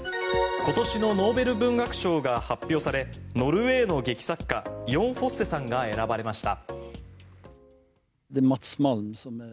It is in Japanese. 今年のノーベル文学賞が発表されノルウェーの劇作家ヨン・フォッセさんが選ばれました。